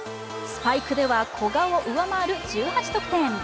スパイクでは古賀を上回る１８得点。